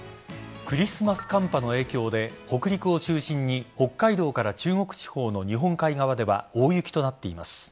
クリスマス寒波の影響で北陸を中心に北海道から中国地方の日本海側では大雪となっています。